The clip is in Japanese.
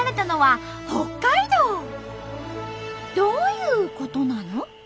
どういうことなの？